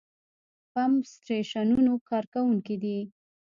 پمپ سټېشنونو کارکوونکي دي.